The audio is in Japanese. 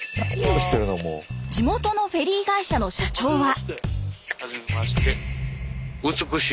地元のフェリー会社の社長は。